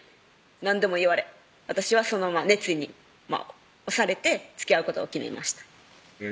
何度も言われ私はその熱意に押されてつきあうことを決めましたよかったね